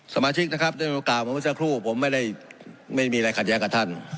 สมาชิกนะครับได้โอกาสผมไม่ได้ไม่มีอะไรขัดแยกกับท่าน